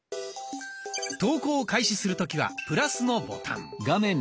投稿を開始する時はプラスのボタン。